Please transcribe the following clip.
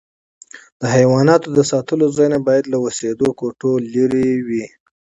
د حیواناتو د ساتلو ځایونه باید له اوسېدو کوټو لیري وي.